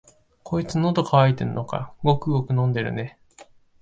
こいつ、のど渇いてんのか、ごくごく飲んでるね。